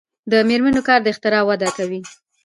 د میرمنو کار د اختراع وده کوي.